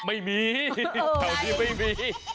ไม่มีแถวนี้ไม่มี